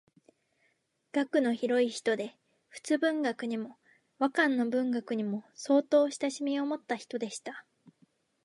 学の広い人で仏文学にも和漢の文学にも相当親しみをもった人でした